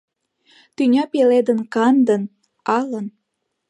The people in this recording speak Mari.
Тӱня пеледын кандын, алын.